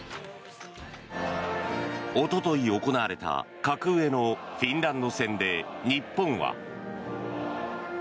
おととい行われた格上のフィンランド戦で日本は。